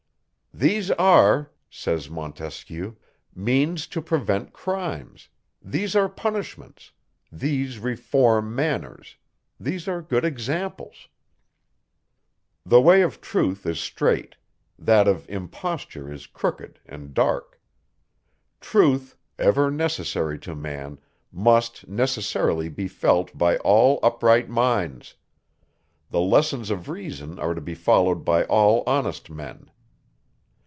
These are, says Montesquieu, means to prevent crimes these are punishments; these reform manners these are good examples. The way of truth is straight; that of imposture is crooked and dark. Truth, ever necessary to man, must necessarily be felt by all upright minds; the lessons of reason are to be followed by all honest men.